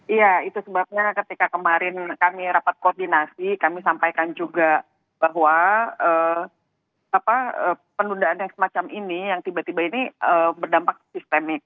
iya itu sebabnya ketika kemarin kami rapat koordinasi kami sampaikan juga bahwa penundaan yang semacam ini yang tiba tiba ini berdampak sistemik